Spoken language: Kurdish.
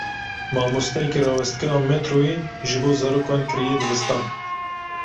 Mamosteyekî rawestgeha metroyê ji bo zarokan kiriye dibistan.